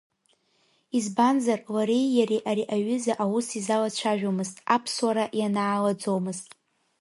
Избанзар лареи иареи ари аҩыза аус изалацәажәомызт, аԥсуара ианаалаӡомызт.